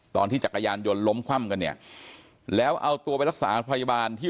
จักรยานยนต์ล้มคว่ำกันเนี่ยแล้วเอาตัวไปรักษาพยาบาลที่